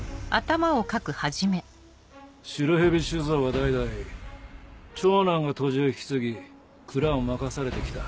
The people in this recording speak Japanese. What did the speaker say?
白蛇酒造は代々長男が杜氏を引き継ぎ蔵を任されて来た。